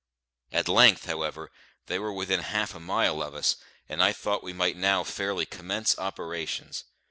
At length, however, they were within half a mile of us, and I thought we might now fairly commence operations.